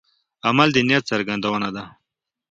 عمل د نیت څرګندونه ده.